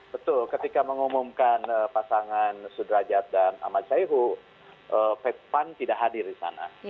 betul ketika mengumumkan pasangan sudrajat dan ahmad syaihu pan tidak hadir di sana